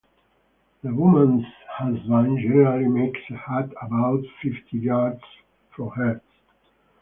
The woman’s husband generally makes a hut about fifty yards from hers.